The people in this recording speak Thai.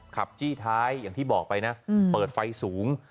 จี้ท้ายอย่างที่บอกไปนะเปิดไฟสูง